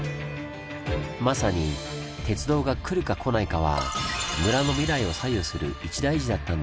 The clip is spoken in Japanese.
まさに鉄道が来るか来ないかは村の未来を左右する一大事だったんです。